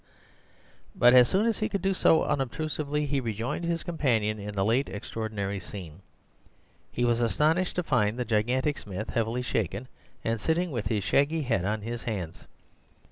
But as soon as he could do so unobtrusively, he rejoined his companion in the late extraordinary scene. He was astonished to find the gigantic Smith heavily shaken, and sitting with his shaggy head on his hands.